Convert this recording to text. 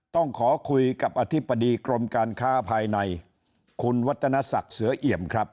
ต้องขอคุยกับอธิบดีกรมการค้าภายในคุณวัฒนศักดิ์เสือเอี่ยมครับ